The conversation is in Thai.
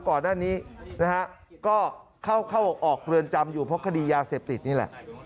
ก่อนหน้านี้นะฮะก็เข้าออกเรือนจำอยู่เพราะคดียาเสพติดนี่แหละ